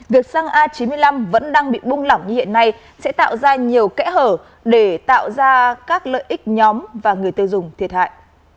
việc xăng a chín mươi năm vẫn đang bị bung lỏng như hiện nay sẽ tạo ra nhiều kẽ hở để tạo ra các lợi ích nhóm và người tiêu dùng thiệt hại